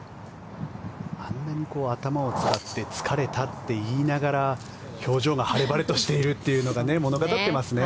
あんなに頭を使って疲れたって言いながら表情が晴れ晴れとしているというのが物語ってますね。